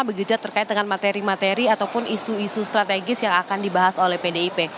begitu terkait dengan materi materi ataupun isu isu strategis yang akan dibahas oleh pdip